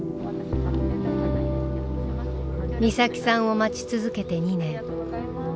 美咲さんを待ち続けて２年。